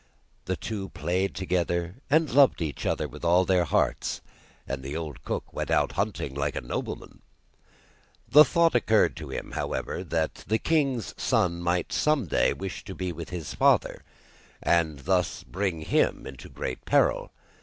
The two played together, and loved each other with all their hearts, and the old cook went out hunting like a nobleman. The thought occurred to him, however, that the king's son might some day wish to be with his father, and thus bring him into great peril.